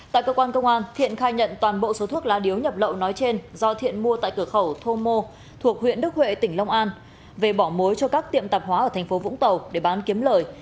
tại cơ quan công an thiện khai nhận toàn bộ số thuốc lá điếu nhập lậu nói trên do thiện mua tại cửa khẩu thô mô thuộc huyện đức huệ tỉnh long an về bỏ mối cho các tiệm tạp hóa ở thành phố vũng tàu để bán kiếm lời